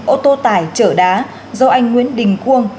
ô tô tải chở đá do anh nguyễn đình cuông